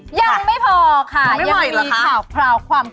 ยังไม่พอค่ะยังมีข่าวคราวความ